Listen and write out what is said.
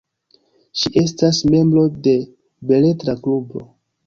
Ŝi estas membro de beletra klubo.